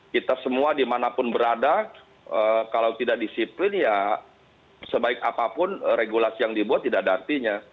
kita semua dimanapun berada kalau tidak disiplin ya sebaik apapun regulasi yang dibuat tidak ada artinya